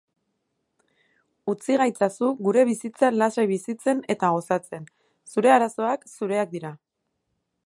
Utzi gaitzazu gure bizitza lasai bizitzen eta gozatzen, zure arazoak zureak dira!